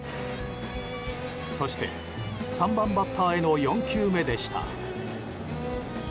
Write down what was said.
そして、３番バッターへの４球目でした。